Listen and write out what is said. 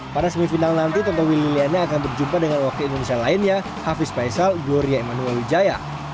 pada semifinal nanti tontowi liliana akan berjumpa dengan wakil indonesia lainnya hafiz faisal gloria emanuel wijaya